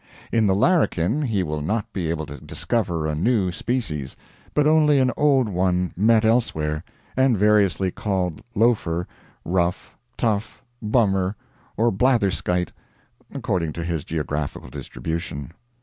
In the larrikin he will not be able to discover a new species, but only an old one met elsewhere, and variously called loafer, rough, tough, bummer, or blatherskite, according to his geographical distribution.